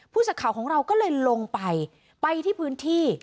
สักข่าวของเราก็เลยลงไปไปที่พื้นที่